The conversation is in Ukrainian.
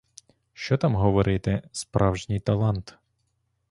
Що там говорити — справжній талант!